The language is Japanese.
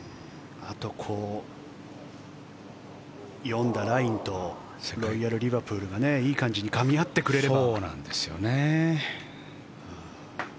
あと、読んだラインとロイヤル・リバプールがいい感じにかみ合ってくれれば。